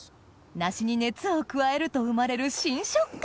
梨に熱を加えると生まれる新食感！